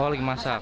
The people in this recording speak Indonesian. oh lagi masak